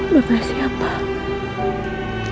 makasih ya pak